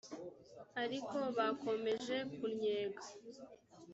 ariko bakomeje kunnyega